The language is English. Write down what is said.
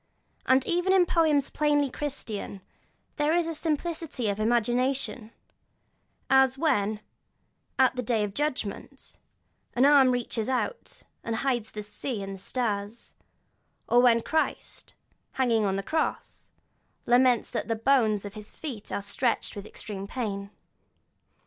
And even in poems plainly Christian there is a fine simplicity of imagination; as when, at the day of judgment, an arm reaches out, and hides the sea and the stars; or when Christ, hanging on the cross, laments that the bones of his feet are stretched with extreme pain.